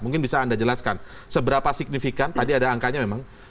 mungkin bisa anda jelaskan seberapa signifikan tadi ada angkanya memang